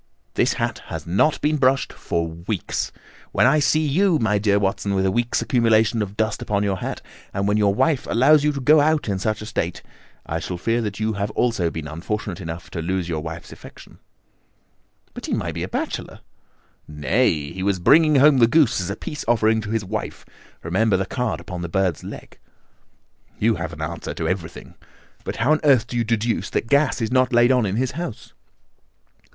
"This hat has not been brushed for weeks. When I see you, my dear Watson, with a week's accumulation of dust upon your hat, and when your wife allows you to go out in such a state, I shall fear that you also have been unfortunate enough to lose your wife's affection." "But he might be a bachelor." "Nay, he was bringing home the goose as a peace offering to his wife. Remember the card upon the bird's leg." "You have an answer to everything. But how on earth do you deduce that the gas is not laid on in his house?"